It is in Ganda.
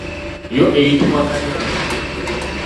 Yo eyitibwa kalyanku.